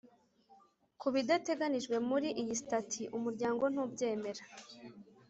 Ku bidateganijwe muri iyi sitati umuryango ntubyemera